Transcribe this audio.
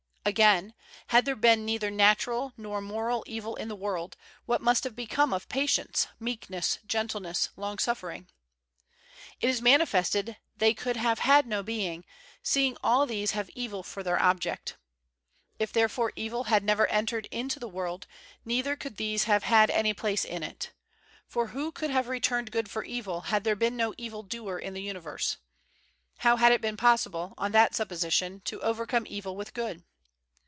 Again: Had there been neither natural nor moral evil in the world, what must have become of patience, meekness, gentleness, long suffering ? It is manifested they could have had no being, seeing all these have evil for their object. If therefore evil had never entered into the world, neither could these have had any place in it. For who could have returned good for evil, had there been no evil doer in the universe? How had it been possible, on that supposition, to overcome evil with good?